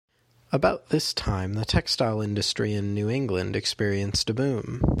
About this time the textile industry in New England experienced a boom.